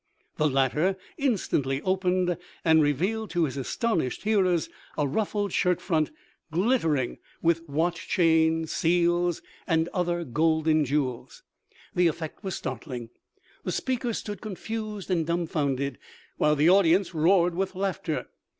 The latter in stantly opened and revealed to his astonished hear ers a ruffled shirt front glittering with watch chain, THE LIFM OP LINCOLN: I95 seals, and other golden jewels. The effect was start ling. The speaker stood confused and dumb founded, while the audience roared with laugh ter.